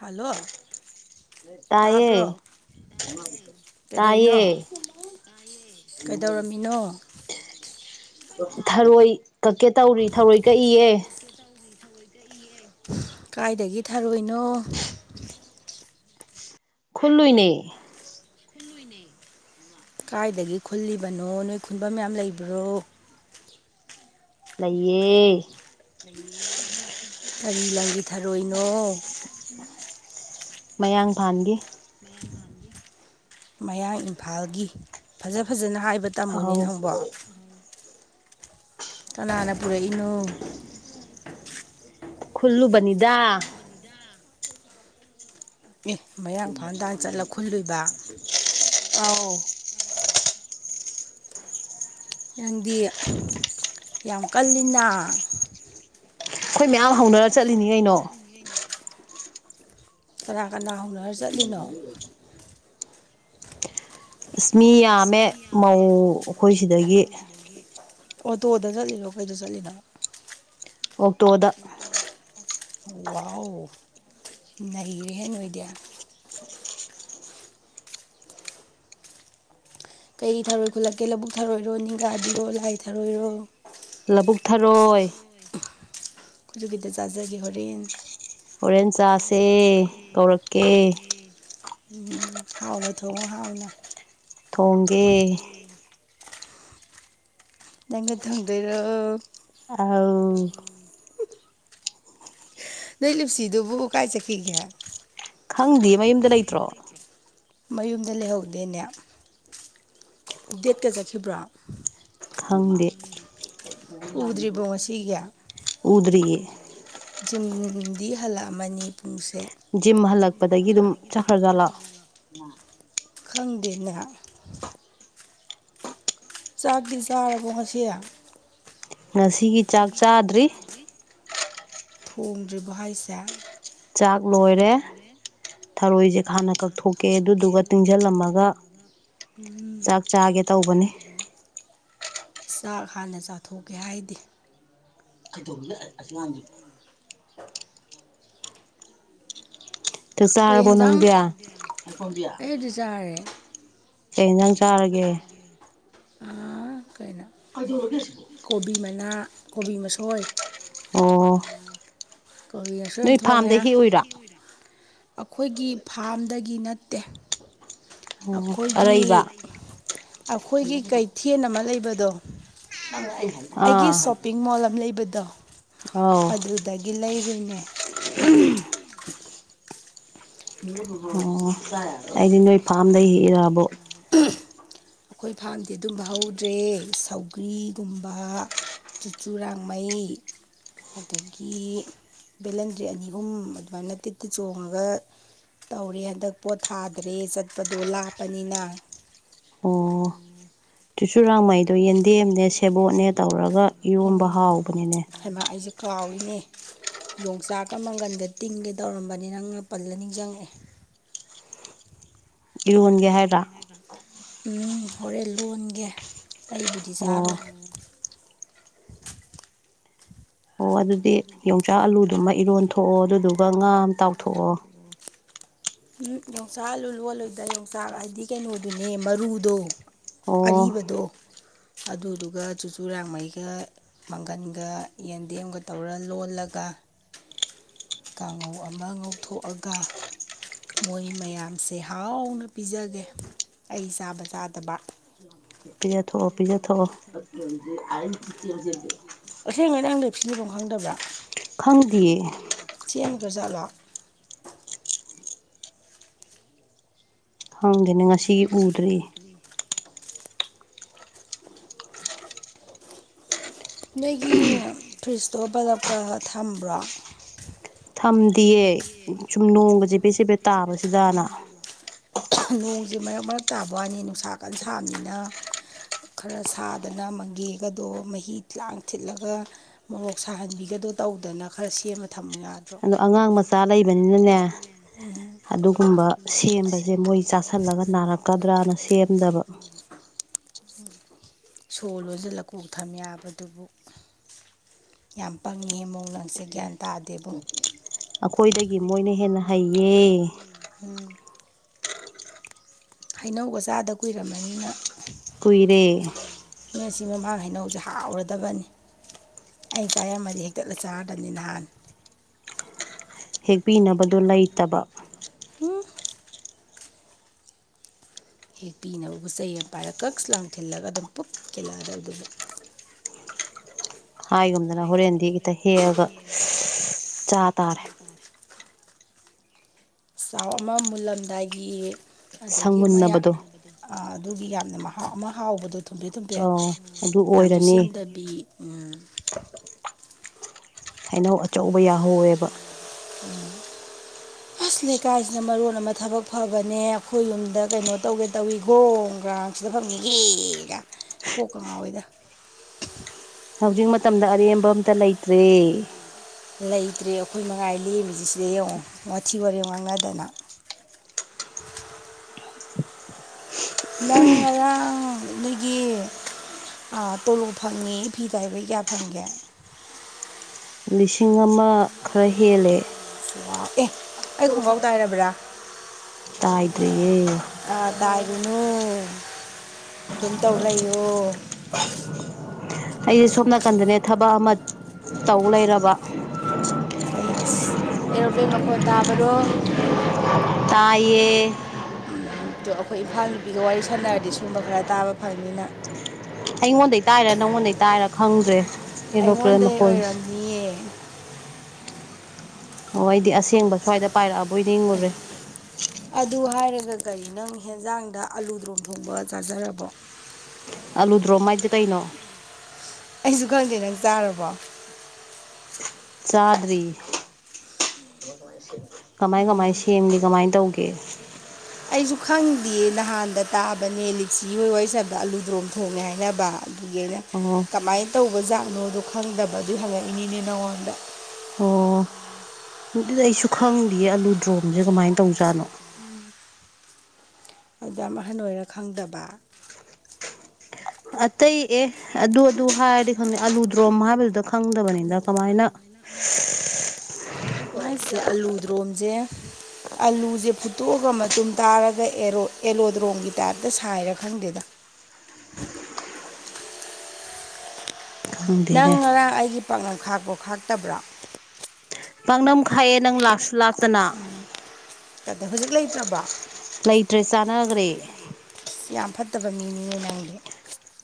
Hello ꯇꯥꯏꯌꯦ ꯇꯥꯕ꯭ꯔꯣ ꯇꯥꯏꯌꯦ ꯀꯩꯗꯧꯔꯤꯅꯣ ꯀꯩꯗꯧꯔꯝꯃꯤꯅꯣ ꯊꯔꯣꯏ ꯀꯛꯀꯦ ꯇꯧꯔꯤ ꯊꯔꯣꯏ ꯀꯛꯏꯌꯦ ꯀꯥꯏꯗꯒꯤ ꯊꯥꯔꯣꯏꯅꯣ ꯈꯜꯂꯨꯏꯅꯦ ꯀꯥꯏꯗꯒꯤ ꯈꯨꯜꯂꯤꯕꯅꯣ ꯅꯣꯏ ꯈꯨꯟꯕꯝ ꯌꯥꯝ ꯂꯩꯕ꯭ꯔꯣ ꯂꯩꯌꯦ ꯂꯩꯌꯦ ꯀꯔꯤ ꯂꯝꯒꯤ ꯊꯔꯣꯏꯅꯣ ꯃꯌꯥꯡꯐꯥꯟꯒꯤ ꯃꯌꯥꯡ ꯏꯝꯐꯥꯜꯒꯤ ꯐꯖ ꯐꯖꯅ ꯍꯥꯏꯕ ꯇꯝꯃꯨꯅꯦ ꯑꯧ ꯅꯪꯕꯣ ꯀꯅꯥꯅ ꯄꯨꯔꯛꯏꯅꯣ ꯈꯨꯜꯂꯨꯕꯅꯤꯗ ꯑꯦ ꯃꯌꯥꯡ ꯏꯝꯐꯥꯜ ꯇꯥꯅꯥ ꯆꯠꯂ ꯈꯨꯜꯂꯨꯏꯕ ꯑꯥꯎ ꯅꯪꯗꯤ ꯌꯥꯝ ꯀꯜꯂꯤꯅ ꯑꯩꯈꯣꯏ ꯃꯌꯥꯝ ꯍꯧꯅꯔ ꯆꯠꯂꯤꯅꯤ ꯀꯩꯅꯣ ꯀꯅꯥ ꯀꯅꯥ ꯍꯧꯅꯔ ꯆꯠꯂꯤꯅꯣ ꯑꯁ ꯃꯤ ꯌꯥꯝꯃꯦ ꯃꯧ ꯑꯩꯈꯣꯏ ꯁꯤꯗꯒꯤ [inaudible] ꯑꯣꯇꯣꯗ ꯆꯠꯂꯤꯔꯣ ꯀꯩꯗ ꯆꯠꯂꯤꯅꯣ ꯑꯣꯛꯇꯣꯗ ꯋꯥꯎ ꯅꯩꯔꯦꯍꯦ ꯅꯣꯢꯗꯤ ꯀꯩ ꯊꯔꯣꯏ ꯈꯨꯠꯂꯛꯀꯦ ꯂꯧꯕꯨꯛ ꯊꯔꯣꯏꯔꯣ ꯅꯤꯡꯈꯥꯕꯤꯔꯣ ꯂꯥꯏ ꯊꯥꯔꯣꯏꯔꯣ ꯂꯧꯕꯨꯛ ꯊꯔꯣꯏ ꯈꯣꯏꯁꯨ ꯈꯤꯇꯥ ꯆꯥꯖꯒꯦ ꯍꯣꯔꯦꯟ ꯍꯣꯔꯦꯟ ꯆꯥꯁꯦ ꯀꯧꯔꯛꯀꯦ ꯎꯝ ꯍꯥꯎꯅ ꯊꯣꯡꯉꯣ ꯍꯥꯎꯅ ꯊꯣꯡꯒꯦ ꯅꯪꯒ ꯊꯣꯡꯗꯣꯏꯔꯣ ꯑꯥꯎ ꯅꯣꯏ ꯂꯞꯁꯤꯗꯨꯕꯨ ꯀꯥꯏ ꯆꯈꯤꯒꯦ ꯈꯪꯗꯤꯌꯦ ꯃꯌꯨꯝꯗ ꯂꯩꯇ꯭ꯔꯣ ꯃꯌꯨꯝꯗ ꯂꯩꯍꯧꯗꯦꯅꯦ ꯗꯦꯠ ꯀꯥ ꯆꯠꯈꯤꯕꯔꯣ ꯈꯪꯗꯦ ꯎꯗ꯭ꯔꯤꯕꯣ ꯉꯁꯤꯒꯤ ꯎꯗꯔꯤꯌꯦ ꯖꯤꯝꯗꯤ ꯍꯜꯂꯛꯑꯝꯃꯅꯤ ꯖꯤꯝ ꯍꯜꯂꯛꯄꯗꯒꯤ ꯑꯗꯨꯝ ꯆꯈ꯭ꯔꯖꯥꯠꯂꯥ ꯈꯪꯗꯦꯅ ꯆꯥꯗꯤ ꯆꯥꯔꯕꯣ ꯉꯁꯤ ꯉꯁꯤꯒꯤ ꯆꯥꯛ ꯆꯥꯗ꯭ꯔꯤ ꯊꯣꯡꯗ꯭ꯔꯤꯕꫭ ꯍꯥꯏꯁꯦ ꯆꯥꯛ ꯂꯣꯏꯔꯦ ꯊꯔꯣꯏꯁꯦ ꯍꯥꯟꯅ ꯀꯛꯊꯣꯛꯀꯦ ꯑꯗꯨꯗꯨꯒ ꯇꯤꯡꯁꯤꯜꯂꯝꯃꯒ ꯎꯝ ꯆꯥꯛ ꯆꯥꯒꯦ ꯇꯧꯕꯅꯦ ꯆꯥꯛ ꯍꯥꯟꯅ ꯆꯥꯊꯣꯛꯀꯦ ꯍꯥꯏꯗꯦ ꯑꯗꯣ ꯑꯁ ꯂꯥꯡ ꯆꯥꯛ ꯆꯥꯔꯕꯣ ꯅꯪꯗꯤ [inaudible] ꯑꯩꯗꯤ ꯆꯔꯦ꯫ ꯀꯩ ꯍꯦꯟꯁꯥꯡ ꯆꯥꯔꯒꯦ ꯑꯥ ꯀꯩꯅꯣ ꯑꯗꯨ ꯑꯣꯏꯒ ꯀꯣꯕꯤ ꯃꯅꯥ ꯀꯣꯕꯤ ꯃꯁꯣꯏ ꯑꯣ ꯀꯣꯕꯤ ꯃꯁꯣꯏ ꯑꯃ ꯅꯣꯏ ꯐꯥꯔꯝ ꯊꯣꯡꯉꯦ ꯗꯦꯏ ꯍꯦꯛꯎꯏꯔꯣ ꯑꯩꯈꯣꯏꯒꯤ ꯐꯥꯔꯝꯗꯒꯤ ꯅꯠꯇꯦ ꯑꯣ ꯑꯩꯈꯣꯏꯒꯤ ꯑꯔꯩꯕ ꯑꯩꯈꯣꯏꯒꯤ ꯀꯩꯊꯦꯜ ꯑꯃ ꯂꯩꯕꯗꯣ ꯑ ꯑꯩꯒꯤ ꯁꯣꯞꯄꯤꯡ ꯃꯣꯜ ꯑꯃ ꯂꯩꯕꯗꯣ ꯑꯧ ꯑꯗꯨꯗꯒꯤ ꯂꯩꯔꯨꯏꯅꯦ ꯑꯣ ꯑꯩꯗꯤ ꯅꯣꯏ ꯐꯥꯔꯝꯗꯩ ꯍꯦꯛꯔꯕꯣ ꯑꯩꯈꯣꯏ ꯐꯥꯝꯗꯤ ꯑꯗꯨꯝꯕ ꯍꯧꯗ꯭ꯔꯦ ꯁꯧꯒ꯭ꯔꯤꯒꯨꯝꯕ ꯆꯨꯔꯆꯨꯔꯥꯛꯃꯩ ꯑꯗꯒꯤ ꯕꯦꯂꯟꯗ꯭ꯔꯤ ꯑꯅꯤ ꯑꯍꯨꯝ ꯑꯗꯨꯃꯥꯏꯅ ꯇꯤꯠꯇꯤ ꯆꯣꯡꯉꯒ ꯇꯧꯔꯦ ꯍꯟꯗꯛ ꯄꯣꯠ ꯊꯥꯗ꯭ꯔꯦ ꯆꯠꯄꯗꯣ ꯂꯥꯞꯄꯅꯤꯅ ꯎꯝ ꯆꯨꯔꯆꯨꯔꯥꯡ ꯃꯩꯗꯣ ꯌꯦꯟꯗꯦꯝꯅꯦ ꯁꯦꯕꯣꯠꯅꯦ ꯇꯧꯔꯒ ꯏꯔꯣꯟꯝꯕ ꯍꯥꯎꯕꯅꯤꯅꯦ ꯍꯥꯏꯃ ꯑꯩꯁꯦ ꯀꯥꯎꯔꯤꯅꯦ ꯌꯣꯡꯆꯥꯛꯀ ꯃꯪꯒꯟꯒ ꯇꯤꯡꯒꯦ ꯇꯧꯔꯝꯕꯅꯤ ꯅꯪ ꯃꯥꯄꯜꯂ ꯅꯤꯡꯁꯤꯡꯉꯛꯑꯦ ꯏꯔꯣꯟꯒꯦ ꯍꯥꯏꯔ ꯎꯝ ꯍꯣꯔꯦꯟ ꯂꯣꯟꯒꯦ ꯑꯩꯕꯨꯗꯤ ꯑꯣ ꯆꯥꯔꯣꯏ ꯑꯣ ꯑꯗꯨꯗꯤ ꯌꯣꯡꯆꯥꯛ ꯑꯂꯨꯗꯨꯃ ꯏꯔꯣꯟꯊꯣꯛꯑꯣ ꯑꯗꯨꯗꯨꯒ ꯉꯥ ꯑꯃ ꯇꯥꯎꯊꯣꯛꯑꯣ ꯎꯝ ꯌꯣꯡꯁꯥꯛꯂꯨ ꯂꯣꯜꯂꯨꯗ ꯌꯣꯡꯁꯥꯛ ꯍꯥꯏꯗꯤ ꯀꯩꯅꯣꯗꯨꯅꯦ ꯃꯔꯨꯗꯣ ꯑꯣ ꯑꯔꯤꯕꯗꯣ ꯑꯗꯨꯗꯨꯒ ꯆꯨꯆꯨꯔꯥꯟꯃꯩꯒ ꯃꯪꯒꯟꯒ ꯌꯦꯟꯗꯦꯝꯒ ꯇꯧ ꯇꯧꯔ ꯂꯣꯜꯂꯒ ꯀꯥꯡꯉꯧ ꯑꯃ ꯉꯧꯊꯣꯛꯑꯒ ꯃꯣꯏ ꯃꯌꯥꯝꯁꯦ ꯍꯥꯎꯅ ꯄꯤꯖꯒꯦ ꯑꯩ ꯆꯥꯕ ꯆꯥꯗꯕ ꯄꯤꯖ ꯊꯣꯛꯑꯣ ꯄꯤꯖ ꯊꯣꯛꯑꯣ ꯑꯁꯦꯡꯉꯗꯤ ꯅꯪꯗ ꯐꯤꯕꯣ ꯈꯪꯗꯕ꯭ꯔꯥ ꯈꯪꯗꯤꯌꯦ ꯆꯦꯟꯒ ꯆꯠꯂꯣ ꯈꯪꯗꯦꯅꯦ ꯉꯁꯤꯒꯤ ꯎꯗ꯭ꯔꯤ ꯅꯣꯏꯒꯤ ꯐ꯭ꯔꯤꯖꯇꯣ ꯄꯨꯂꯞꯀ ꯊꯝꯕ꯭ꯔꯣ ꯊꯝꯗꯤꯌꯦ ꯁꯨꯝ ꯅꯣꯡꯃ ꯆꯦꯄꯦ ꯁꯦꯠꯄꯦꯠ ꯇꯥꯕꯁꯤꯗꯅ ꯅꯣꯡꯁꯦ ꯃꯔꯛ ꯃꯔꯛ ꯇꯥꯕ ꯋꯥꯅꯤ ꯅꯨꯡꯁꯥ ꯀꯟꯁꯥꯕꯅꯤꯅ ꯈꯔ ꯁꯥꯗꯅ ꯃꯪꯒꯦꯒꯗꯣ ꯃꯍꯤ ꯂꯥꯡ ꯊꯤꯠꯂꯒ ꯃꯣꯔꯣꯛ ꯁꯥꯍꯟꯕꯤꯒꯗꯣ ꯇꯧꯗꯅ ꯈꯔ ꯁꯦꯝꯃ ꯊꯝꯃ ꯌꯥꯗ꯭ꯔꯣ ꯑꯗꯣ ꯑꯉꯥꯡ ꯃꯆꯥ ꯂꯩꯕꯅꯤꯅꯅꯦ ꯎꯝ ꯑꯗꯨꯒꯨꯝꯕ ꯁꯦꯝꯕꯁꯦ ꯃꯣꯏ ꯆꯥꯁꯜꯂꯒ ꯅꯥꯔꯛꯀꯗ꯭ꯔꯅ ꯁꯦꯝꯗꯕ ꯁꯣ ꯂꯣꯏꯁꯤꯜꯂꯀꯣꯛ ꯊꯝ ꯌꯥꯕꯗꯨꯕꯨ ꯌꯥꯝ ꯄꯪꯉꯤ ꯑꯃꯨꯛ ꯅꯪꯁꯦ ꯒ꯭ꯌꯥꯟ ꯇꯥꯗꯦꯕꯣ ꯑꯩꯈꯣꯏꯗꯒꯤ ꯃꯣꯏꯅ ꯍꯦꯟꯅ ꯍꯩꯌꯦ ꯎꯝ ꯍꯩꯅꯧꯒꯆꯥꯗ ꯀꯨꯏꯔꯃꯅꯤꯅ ꯀꯨꯏꯔꯦ ꯅ ꯁꯤ ꯃꯃꯥꯡ ꯍꯩꯅꯧꯁꯦ ꯍꯥꯎꯔꯗꯕꯅꯤ ꯑꯩ ꯆꯃꯔꯤ ꯍꯦꯛꯇꯠꯂ ꯆꯥꯔꯗꯅꯤ ꯅꯍꯥꯟ ꯍꯦꯛꯄꯤꯅꯕꯗꯣ ꯂꯩꯇꯕ ꯍꯦꯛ ꯄꯤꯅꯕ ꯄꯣꯠ ꯆꯩ ꯑꯃ ꯄꯥꯏꯔꯒ ꯀꯛꯁ ꯂꯥꯡ ꯊꯤꯜꯂꯒ ꯑꯗꯨꯝ ꯄꯨꯛ ꯀꯦꯜꯜꯂꯛꯑꯗ ꯑꯗꯨ ꯍꯥꯏꯒꯨꯝꯗꯅ ꯍꯣꯔꯦꯟꯗꯤ ꯈꯤꯇ ꯍꯦꯛꯑꯒ [unintelligible] ꯆꯥ ꯇꯥꯔꯦ [unintelligible] ꯆꯥꯎ ꯑꯃ ꯃꯨꯜꯂꯝꯗꯥꯏꯒꯤ ꯑꯗꯒꯤ ꯃꯌꯥꯛ ꯁꯪꯃꯨꯟꯅꯕꯗꯣ ꯑꯗꯨꯒꯤ ꯌꯥꯝꯅ ꯃꯍꯥꯎ ꯑꯃ ꯍꯥꯎꯕꯗꯣ ꯊꯨꯝꯐꯦ ꯊꯨꯝꯐꯦ ꯑꯧ ꯑꯗꯨ ꯌꯥꯝꯁꯨ ꯑꯣꯏꯔꯅꯤ ꯁꯤꯟꯗ ꯕꯤ ꯎꯝ ꯍꯩꯅꯧ ꯑꯆꯧꯕ ꯌꯥꯍꯧꯋꯦꯕ ꯑꯁ ꯂꯩꯀꯥꯏꯁꯤꯅ ꯃꯔꯣꯟ ꯑꯃ ꯊꯕꯛ ꯐꯕꯅꯦ ꯑꯩꯈꯣꯏ ꯌꯨꯝꯗ ꯀꯩꯅꯣ ꯇꯧꯒꯦ ꯇꯧꯏꯤ ꯒꯔꯣꯡ ꯒ꯭ꯔꯥꯡ ꯁꯤꯗ ꯐꯪꯉꯒꯦꯒ ꯌꯦꯒꯥ ꯀꯣꯛꯀꯥ ꯉꯥꯥꯎꯏꯗ ꯍꯧꯖꯤꯛ ꯃꯇꯝꯗ ꯑꯔꯦꯝꯕ ꯑꯝꯇ ꯂꯩꯇ꯭ꯔꯦ ꯂꯩꯇ꯭ꯔꯦ ꯑꯩꯈꯣꯏ ꯃꯉꯥꯏ ꯂꯦꯝꯃꯤꯁꯤ ꯁꯤꯗ ꯌꯦꯡꯉꯣ ꯋꯥꯊꯤ ꯋꯥꯔꯦꯡ ꯉꯥꯡꯅꯗꯅ ꯅꯪ ꯉꯔꯥꯡ ꯅꯣꯏꯒꯤ ꯑ ꯇꯣꯂꯣꯞ ꯐꯪꯉꯦꯌꯦ ꯐꯤ ꯇꯥꯏꯕꯩ ꯀꯌꯥ ꯐꯪꯒꯦ ꯂꯤꯁꯤꯡ ꯑꯃ ꯈꯔ ꯍꯦꯜꯂꯦ ꯋꯥꯎ ꯑꯦ ꯑꯩ ꯈꯣꯡꯒꯥꯎ ꯇꯥꯏꯔꯕ꯭ꯔꯥ ꯇꯥꯏꯗ꯭ꯔꯤꯌꯦ ꯑ ꯇꯥꯏ ꯑꯣ ꯗꯨꯝ ꯇꯧꯂꯩꯌꯣ ꯑꯩꯖꯦ ꯁꯣꯝ ꯅꯥꯀꯟꯗꯅꯦ ꯊꯕꯛ ꯑꯃ ꯇꯧ ꯂꯩꯔꯕ ꯀꯩ ꯑꯁ ꯑꯦꯔꯣꯄ꯭ꯂꯦꯟ ꯃꯈꯣꯟ ꯇꯥꯕꯔꯣ ꯇꯥꯏꯌꯦ ꯑꯩꯈꯣꯏ ꯏꯝꯐꯥꯜ ꯅꯨꯄꯤꯒ ꯋꯥꯔꯤ ꯁꯥꯟꯅꯔꯗꯤ ꯁꯨꯝꯕ ꯈꯔ ꯇꯥꯕ ꯐꯪꯅꯤꯅꯪ ꯑꯩꯉꯣꯟꯗꯩ ꯇꯥꯏꯔ ꯅꯪꯉꯣꯟꯗꯩ ꯇꯥꯏꯔ ꯈꯪꯗ꯭ꯔꯦ ꯑꯦꯔꯣꯄ꯭ꯂꯦꯟ ꯃꯈꯣꯜꯁꯦ ꯃꯤꯌꯦ ꯑꯣ ꯑꯩꯗꯤ ꯑꯁꯦꯡꯕ ꯁ꯭ꯋꯥꯏꯗ ꯄꯥꯏꯔꯛꯑꯕꯣꯏ ꯅꯤꯡꯉꯨꯔꯦ ꯑꯗꯨ ꯍꯥꯏꯔꯒ ꯀꯔꯤ ꯅꯪ ꯍꯦꯟꯖꯥꯡꯗ ꯑꯂꯨꯗꯔꯣꯝ ꯊꯣꯡꯕ ꯆꯥꯖꯔꯕꯣ ꯑꯂꯨꯗ꯭ꯔꯣꯝ ꯍꯥꯏꯖꯦ ꯀꯩꯅꯣ ꯑꯩꯁꯨ ꯈꯪꯗꯦ ꯅꯪ ꯆꯥꯔꯕꯣ ꯆꯥꯗꯔꯤ ꯀꯃꯥꯏ ꯀꯃꯥꯏ ꯁꯦꯝꯒꯦ ꯀꯃꯥꯏꯟ ꯇꯧꯒꯦ ꯑꯩꯁꯨ ꯈꯪꯗꯤꯌꯦ ꯅꯍꯥꯟꯗ ꯇꯥꯕꯅꯦ ꯂꯤꯛꯆꯤ ꯍꯣꯏ ꯋꯥꯏꯁꯟꯕꯗ ꯑꯂꯨꯗ꯭ꯔꯣꯝ ꯊꯣꯡꯉꯦ ꯍꯥꯏꯅꯕ ꯑꯗꯨꯒꯤ ꯑꯩꯅ ꯑꯣ ꯀꯃꯥꯏ ꯇꯧꯕꯖꯥꯠꯅꯣꯗꯣ ꯈꯪꯗꯕ ꯑꯗꯨꯏ ꯍꯪꯉꯛꯏꯅꯤꯅꯦ ꯅꯉꯣꯟꯗ ꯑꯣ ꯑꯗꯨꯗꯤ ꯑꯩꯁꯨ ꯈꯪꯗꯤꯌꯦ ꯑꯂꯨꯗ꯭ꯔꯣꯝꯖꯦ ꯀꯃꯥꯏꯟ ꯇꯧꯕꯖꯥꯠꯅꯣ ꯑꯗꯌꯥꯝ ꯑꯍꯟ ꯑꯣꯏꯔ ꯈꯪꯗꯕ ꯑꯇꯩ ꯑꯦ ꯑꯗꯨ ꯑꯗꯨ ꯍꯥꯏꯔꯗꯤ ꯈꯪꯗꯦ ꯑꯂꯨꯗ꯭ꯔꯣꯝ ꯍꯥꯏꯕꯗꯨꯗ ꯈꯪꯗꯕꯅꯤꯅ ꯀꯃꯥꯏꯅ ꯃꯥꯏꯁꯦ ꯑꯂꯨꯗ꯭ꯔꯣꯝꯁꯦ ꯑꯂꯨꯁꯦ ꯐꯨꯠꯇꯣꯛꯑꯒ ꯃꯇꯨꯝ ꯇꯥꯔꯒ ꯑꯦꯔꯣꯠ ꯑꯦꯂꯣꯗ꯭ꯔꯣꯝꯒꯤ ꯇꯥꯏꯞꯇ ꯁꯥꯏꯔꯥ ꯈꯪꯗꯦꯗ ꯅꯪ ꯈꯪꯗꯦꯅꯦ ꯉꯔꯥꯡ ꯑꯩꯒꯤ ꯄꯥꯛꯅꯝ ꯈꯥꯛꯄꯔꯣ ꯈꯥꯛꯇꯕ꯭ꯔꯣ ꯥꯄꯥꯛꯅꯝ ꯈꯥꯛꯑꯦ ꯅꯪ ꯂꯛꯁꯨ ꯂꯛ ꯎꯝ ꯑꯗꯣ ꯍꯨꯖꯤꯛ ꯂꯩꯇ꯭ꯔꯕ ꯂꯩꯇ꯭ꯔꯦ ꯆꯥꯟꯅꯒ꯭ꯔꯦ ꯏꯁ ꯌꯥꯝ ꯐꯠꯇꯕ ꯃꯤꯅꯤꯅꯦ ꯅꯪꯗꯤ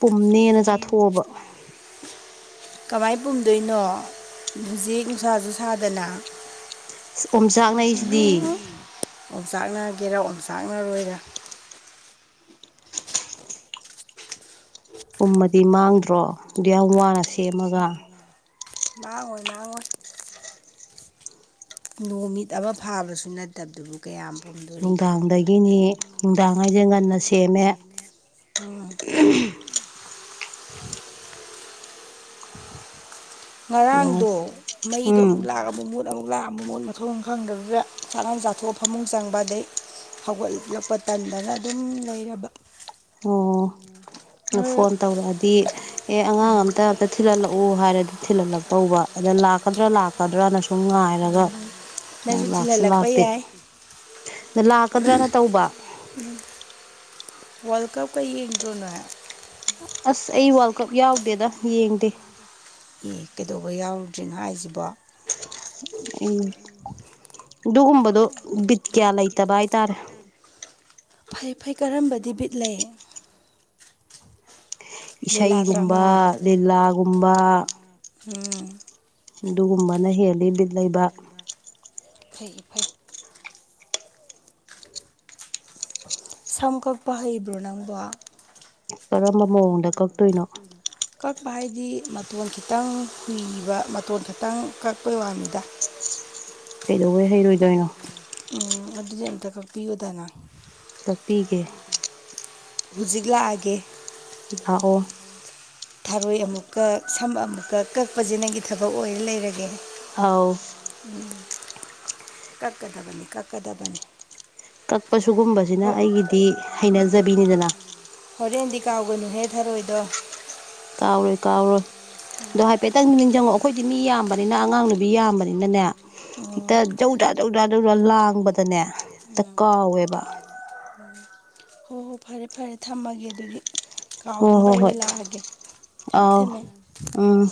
ꯄꯨꯝꯅꯦꯅ ꯆꯥꯊꯣꯛꯑꯕ [unintelligible] ꯀꯃꯥꯏ ꯄꯨꯝꯗꯣꯏꯅꯣ ꯍꯧꯖꯤꯛ ꯅꯨꯡꯁꯥꯁꯨ ꯁꯥꯗꯅ ꯑꯣꯝꯆꯥꯛꯅꯩꯁꯤꯗꯤ ꯑꫭꯡꯆꯥꯛꯅꯒꯦꯔꯥ ꯑꯣꯡꯆꯥꯛꯅꯔꯣꯏꯔ ꯄꯨꯝꯃꯗꯤ ꯃꯥꯡꯗ꯭ꯔꯣ ꯑꯗꯨꯛꯌꯥꯝ ꯋꯥꯅ ꯁꯦꯝꯃꯒ ꯃꯥꯡꯉꯣꯏ ꯃꯥꯡꯉꯣꯏ ꯅꯨꯃꯤꯠ ꯑꯃ ꯐꯥꯕꯁꯨ ꯅꯠꯇꯕꯗꯨꯕꯨ ꯀꯌꯥꯝ ꯄꯨꯝꯗ ꯅꯨꯡꯗꯥꯡꯗꯒꯤꯅꯤ ꯅꯨꯡꯗꯥꯡ ꯍꯥꯏꯁꯦ ꯉꯟꯅ ꯁꯦꯝꯃꯦ [unintelligible] ꯑꯗꯨꯒ ꯉꯔꯥꯡꯗꯣ ꯃꯩꯗꯣ ꯎꯝ ꯑꯃꯨꯛ ꯂꯥꯛ ꯑꯃꯛ ꯃꯨꯠ ꯑꯃꯨꯛ ꯂꯥꯛ ꯑꯃꯛ ꯃꯨꯠ ꯃꯊꯣꯡ ꯈꯪꯗꯕꯗꯨ ꯆꯥꯉꯟ ꯆꯥꯊꯣꯛꯑ ꯐꯃꯨꯡ ꯆꯪꯕ ꯑꯗꯩ ꯍꯧꯒꯠꯂꯛꯄ ꯇꯟꯗꯅ ꯑꯗꯨꯝ ꯂꯩꯔꯕ ꯑꯣ ꯅꯣꯏ ꯐꯣꯟ ꯇꯧꯔꯛꯑꯗꯤ ꯑꯦ ꯑꯉꯥꯡ ꯑꯝꯇ ꯑꯝꯇ ꯊꯤꯜꯍꯜꯂꯛꯎ ꯍꯥꯏꯔꯗꯤ ꯊꯤꯜꯍꯜꯂꯛꯇꯧꯕ ꯑꯗ ꯂꯥꯛꯀꯗ꯭ꯔꯥ ꯀꯗ꯭ꯔꯅ ꯁꯨꯝ ꯉꯥꯏꯔꯒ ꯅꯪ ꯅꯪꯁꯨ ꯂꯥꯛꯁꯨ ꯊꯤꯜꯍꯜꯂꯛꯄ ꯂꯥꯛꯇꯦ ꯌꯥꯏ ꯂꯥꯛꯀꯗ꯭ꯔꯅ ꯇꯧꯕ ꯎꯝ ꯋꯥꯜꯗ ꯀꯞꯀ ꯌꯦꯡꯗꯔꫭꯅꯣꯏ ꯑꯁ ꯑꯩ ꯋꯥꯜ ꯀꯞ ꯌꯥꯎꯗꯦꯗ ꯌꯦꯡꯗꯦ ꯑꯦ ꯀꯩꯗꯧꯕ ꯌꯥꯎꯔꯨꯗ꯭ꯔꯤꯅꯣ ꯍꯥꯏꯁꯤꯕꯣ ꯎꯝ ꯑꯗꯨꯒꯨꯝꯕꯗꯣ ꯕꯤꯠ ꯀꯌꯥ ꯂꯩꯇꯕ ꯍꯥꯏꯇꯥꯔꯦ ꯐꯩ ꯐꯩ ꯀꯔꯝꯕꯗꯤ ꯕꯤꯠ ꯂꯩ ꯂꯤꯂꯥ ꯏꯁꯩꯒꯨꯝꯕ ꯗ꯭ꯔꯃꯥ ꯂꯤꯂꯥꯒꯨꯝꯕ ꯎꯝ ꯑꯗꯨꯒꯨꯝꯕꯅ ꯍꯦꯜꯂꯤ ꯕꯤꯠ ꯂꯩꯕ ꯐꯩ ꯐꯩ ꯁꯝ ꯀꯛꯄ ꯍꯩꯕ꯭ꯔꯣ ꯅꯪꯕꫭ ꯀꯔꯝꯕ ꯃꯑꯣꯡꯗ ꯀꯛꯇꯣꯏꯅꯣ ꯀꯛꯄ ꯍꯥꯏꯗꯤ ꯃꯇꯣꯟ ꯈꯤꯇꯪ ꯍꯨꯏꯕ ꯃꯇꯣꯟ ꯈꯤꯇꯪ ꯀꯛꯄꯩ ꯋꯥꯅꯤꯗ ꯀꯩꯗꯧꯕꯩ ꯍꯩꯔꯣꯏꯗꯣꯏꯅꯣ ꯎꯝ ꯑꯗꯨꯗꯤ ꯑꯝꯇ ꯀꯛꯄꯤꯌꯨꯗꯅ ꯀꯛꯄꯤꯒꯦ ꯍꯧꯖꯤꯛ ꯂꯥꯛꯑꯒꯦ ꯂꯥꯛꯑꯣ ꯊꯥꯔꯣꯏ ꯑꯃꯨꯛꯀꯛ ꯁꯝ ꯑꯃꯨꯛꯀꯛ ꯀꯛꯄꯁꯤ ꯅꯪꯒꯤ ꯊꯕꯛ ꯑꯣꯏꯔ ꯂꯩꯔꯒꯦ ꯑꯧ ꯎꯝ ꯀꯛꯀꯗꯕꯅꯤ ꯀꯛꯀꯗꯕꯅꯤ ꯀꯛꯄ ꯁꯤꯒꯨꯝꯕꯖꯤꯅ ꯑꯩꯒꯤꯗꯤ ꯍꯩꯅꯖꯕꯤꯅꯤꯗꯅ ꯍꯣꯔꯦꯟꯗꯤ ꯀꯥꯎꯒꯅꯨꯍꯦ ꯊꯔꯣꯏꯗꯣ ꯀꯥꯎꯔꯣꯏ ꯀꯥꯎꯔꯣꯏ ꯑꯗꯣ ꯍꯥꯏꯐꯦꯠꯇꯪ ꯅꯤꯡꯁꯤꯡꯪꯉꯑꯣ ꯑꯩꯈꯣꯏꯗꯤ ꯃꯤ ꯌꯥꯝꯕꯅꯤꯅ ꯑꯉꯥꯡ ꯅꯨꯕꯤ ꯌꯥꯝꯕꯅꯤꯅꯅꯦ ꯎꯝ ꯍꯦꯛꯇ ꯖꯧꯖꯥ ꯖꯧꯖꯥ ꯖꯧꯖꯥ ꯂꯥꯡꯕꯗꯅꯦ ꯍꯦꯛꯇ ꯀꯥꯎꯋꯦꯕ ꯎꯝ [unintelligible] ꯍꯣꯏ ꯍꯣꯏ ꯐꯔꯦ ꯐꯔꯦ ꯐꯔꯦ ꯊꯝꯃꯒꯦ ꯑꯗꯨꯗꯤ ꯍꯣꯏ ꯀꯥꯎꯗꯅꯕ ꯍꯣꯏ ꯑꯩ ꯍꯣꯏ ꯑꯣꯏꯅ ꯂꯥꯛꯑꯒꯦ ꯊꯝꯃꯦ ꯑꯥꯎ ꯊꯝꯃꯦ ꯎꯝ